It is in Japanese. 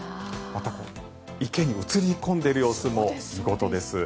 池に映り込んでいる様子も見事です。